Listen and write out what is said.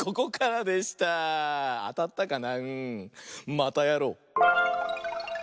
またやろう！